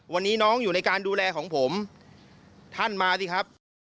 วันนี้น้องอยู่ในการดูแลของผมท่านมาสิครับ